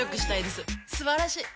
すばらしい！